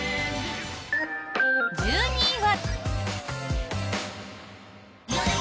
１２位は。